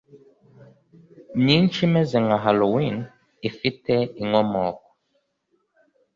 myinshi imeze nka halloween ifite inkomoko